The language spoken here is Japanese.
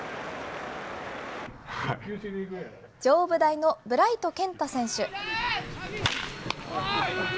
上武大のブライト健太選手。